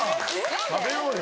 食べようよ・